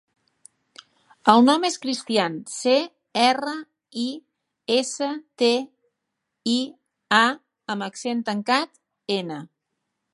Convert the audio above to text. El nom és Cristián: ce, erra, i, essa, te, i, a amb accent tancat, ena.